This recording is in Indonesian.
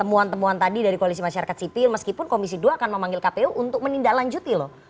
temuan temuan tadi dari koalisi masyarakat sipil meskipun komisi dua akan memanggil kpu untuk menindaklanjuti loh